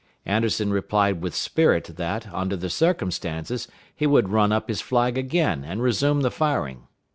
Anderson replied with spirit that, under the circumstances, he would run up his flag again, and resume the firing.